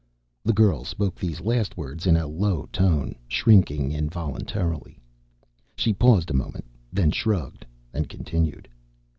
The girl spoke these last words in a low tone, shrinking involuntarily. She paused a moment, then shrugged and continued.